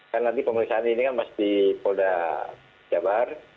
karena nanti pemeriksaan ini kan pasti polda jabar